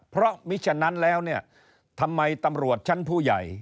เพราะมิฉะนั้นแล้วเนี่ยทำไมตำรวจชั้นผู้ใหญ่